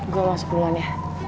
gue mau sekulon ya